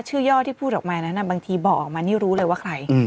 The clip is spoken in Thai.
ย่อที่พูดออกมานั้นบางทีบอกออกมานี่รู้เลยว่าใคร